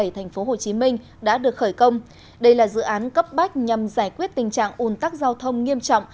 tại khu vực cửa ngõ phía nam tp hcm